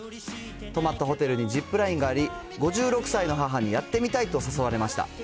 泊まったホテルにジップラインがあり、５６歳の母にやってみたいと誘われました。